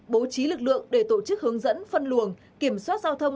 bố trí lực lượng để tổ chức hướng dẫn phân luồng kiểm soát giao thông